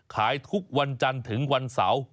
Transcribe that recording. ขายทุกวันจันทร์ถึงวันเสาร์